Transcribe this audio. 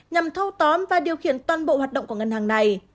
nhằm thâu tóm và điều khiển toàn bộ hoạt động của ngân hàng này